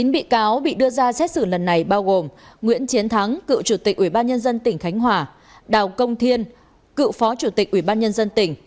chín bị cáo bị đưa ra xét xử lần này bao gồm nguyễn chiến thắng cựu chủ tịch ủy ban nhân dân tỉnh khánh hòa đào công thiên cựu phó chủ tịch ủy ban nhân dân tỉnh